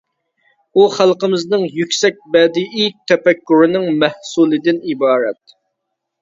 ئۇ خەلقىمىزنىڭ يۈكسەك بەدىئىي تەپەككۇرىنىڭ مەھسۇلىدىن ئىبارەت.